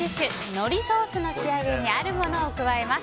のりソースの仕上げにあるものを加えます。